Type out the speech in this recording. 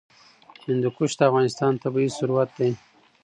هندوکش د افغانستان طبعي ثروت دی.